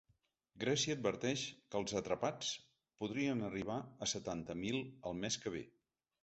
Grècia adverteix que els ‘atrapats’ podrien arribar a setanta mil el mes que ve.